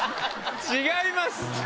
違います。